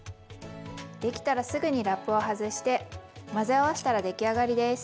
できたらすぐにラップを外して混ぜ合わしたら出来上がりです。